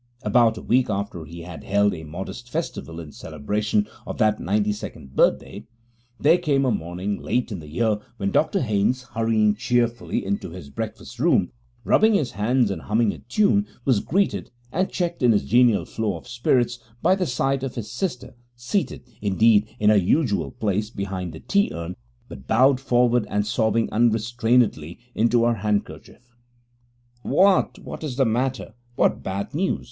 About a week after he had held a modest festival in celebration of that ninety second birthday, there came a morning, late in the year, when Dr Haynes, hurrying cheerfully into his breakfast room, rubbing his hands and humming a tune, was greeted, and checked in his genial flow of spirits, by the sight of his sister, seated, indeed, in her usual place behind the tea urn, but bowed forward and sobbing unrestrainedly into her handkerchief. 'What what is the matter? What bad news?'